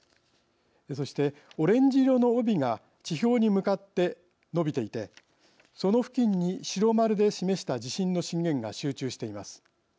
そしてオレンジ色の帯が地表に向かって伸びていてその付近に白丸で示した地震の震源が集中しています。